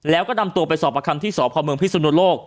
แล้วก็นำตัวไปสอบประคัมที่สพเมืองพิสุนโลก